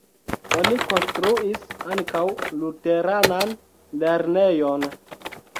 Oni konstruis ankaŭ luteranan lernejon.